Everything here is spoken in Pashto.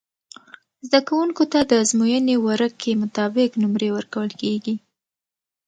زده کوونکو ته د ازموينې ورقعی مطابق نمرې ورکول کیږی